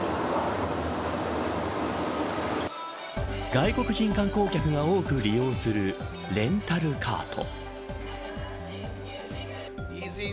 外国人観光客が多く利用するレンタルカート。